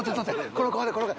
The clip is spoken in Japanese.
この顔でこの顔。